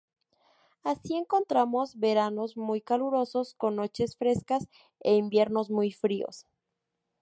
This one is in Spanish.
Así encontramos veranos muy calurosos con noches frescas e inviernos muy fríos.